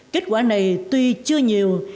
kết quả này tuy chưa nhiều